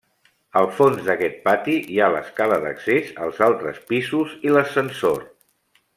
Al fons d'aquest pati hi ha l'escala d'accés als altres pisos i l'ascensor.